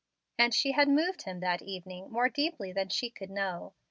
And she had moved him that evening more deeply than she could know.